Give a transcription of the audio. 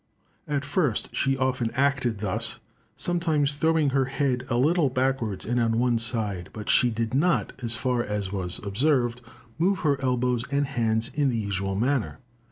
At first she often acted thus, sometimes throwing her head a little backwards and on one side, but she did not, as far as was observed, move her elbows and hands in the usual manner.